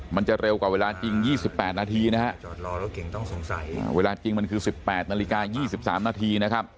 มันจะเร็วกว่าเวลาจริง๒๘นาทีนะฮะเวลาจริงมันคือ๑๘นาฬิกา๒๓นาทีนะครับ